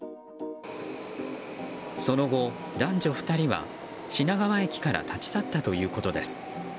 その後、男女２人は品川駅から立ち去ったということです。